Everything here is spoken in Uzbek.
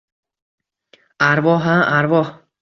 —Arvoh-a, arvoh.